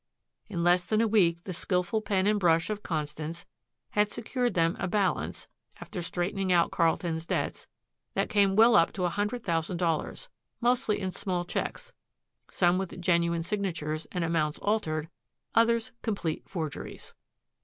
In less than a week the skilful pen and brush of Constance had secured them a balance, after straightening out Carlton's debts, that came well up to a hundred thousand dollars, mostly in small checks, some with genuine signatures and amounts altered, others complete forgeries.